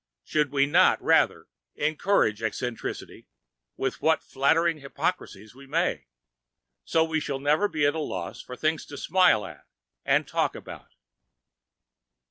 Should we not rather encourage eccentricity with what flattering hypocrisies we may, so that we shall never be at a loss for things to smile at and talk about?